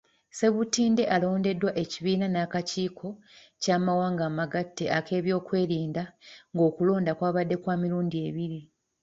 Ssebutinde alondeddwa ekibiina n'akakiiko ky'amawanga amagatte ak'ebyokwerinda, ng'okulonda kwabadde kwa mirundi ebiri.